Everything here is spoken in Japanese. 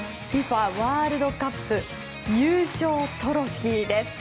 ＦＩＦＡワールドカップ優勝トロフィーです。